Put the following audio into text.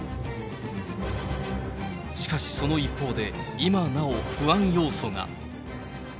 しかしその一方で、今なお不安要素が。